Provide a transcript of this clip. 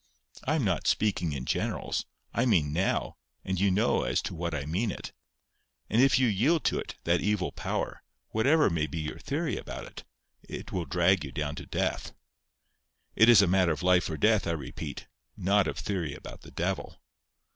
I am not speaking in generals; I mean NOW, and you know as to what I mean it. And if you yield to it, that evil power, whatever may be your theory about it, will drag you down to death. It is a matter of life or death, I repeat, not of theory about the devil."